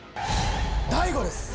大悟です。